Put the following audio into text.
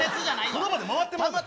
その場で回ってまうで。